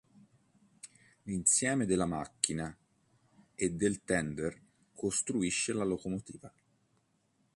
L'insieme della macchina e del tender costituisce la locomotiva.